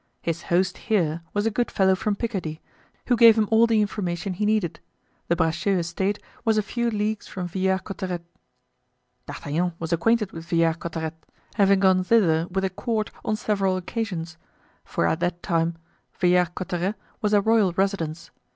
His host here was a good fellow from Picardy, who gave him all the information he needed. The Bracieux estate was a few leagues from Villars Cotterets. D'Artagnan was acquainted with Villars Cotterets, having gone thither with the court on several occasions; for at that time Villars Cotterets was a royal residence.